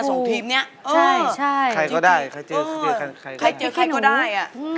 ส่งทีมเนี้ยใช่ใช่ใครก็ได้ใครเจอใครใครเจอใครก็ได้อ่ะ